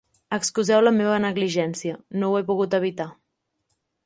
Excuseu la meva negligència, no ho he pogut evitar.